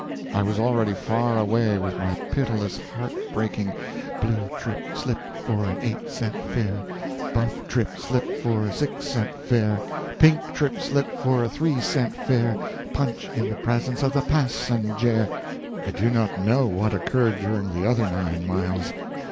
I was already far away with my pitiless, heartbreaking "blue trip slip for an eight cent fare, buff trip slip for a six cent fare, pink trip slip for a three cent fare; punch in the presence of the passenjare." I do not know what occurred during the other nine miles.